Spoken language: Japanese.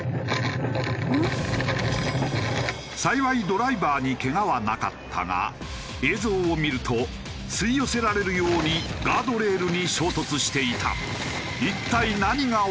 幸いドライバーにけがはなかったが映像を見ると吸い寄せられるようにガードレールに衝突していた。